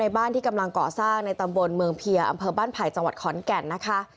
บ้านที่กำลังก่อสร้างในตำบลเมืองเพียร์อำเภอบ้านไผ่จังหวัดขอนแก่นนะคะ